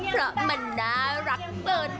เพราะมันน่ารักเกิน